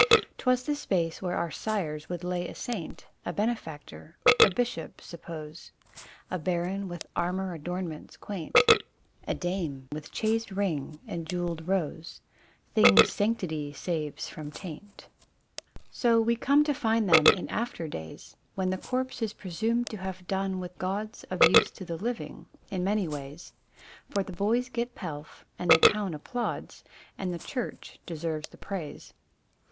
'Twas the space where our sires would lay a saint, A benefactor, — a bishop, suppose, A baron with armour adornments quaint, Dame with chased ring and jewelled rose, Things sanctity saves from taint ; So we come to find them in after days When the corpse is presumed to have done with gauds Of use to the living, in many ways : For the boys get pelf, and the town applauds, And the church deserves the praise.